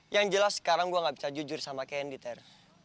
yang jelas sekarang gue gak bisa jujur sama kain deter